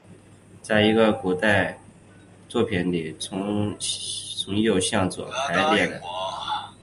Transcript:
而在一些古典作品里是从右向左排列的。